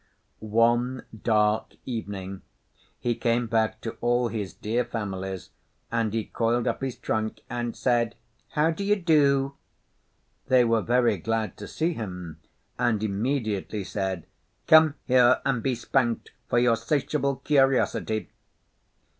One dark evening he came back to all his dear families, and he coiled up his trunk and said, 'How do you do?' They were very glad to see him, and immediately said, 'Come here and be spanked for your 'satiable curtiosity.